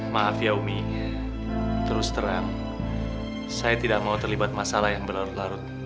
maaf yaumi terus terang saya tidak mau terlibat masalah yang berlarut larut